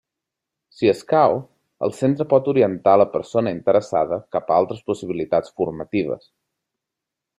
Si escau, el centre pot orientar la persona interessada cap a altres possibilitats formatives.